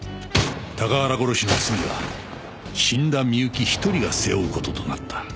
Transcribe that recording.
高原殺しの罪は死んだみゆき１人が背負う事となった。